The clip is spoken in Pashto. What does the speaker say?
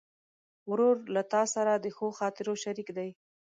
ورور له تا سره د ښو خاطرو شریک دی.